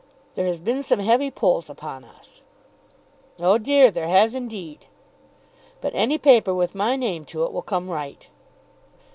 There has been some heavy pulls upon us." "Oh dear, there has indeed!" "But any paper with my name to it will come right."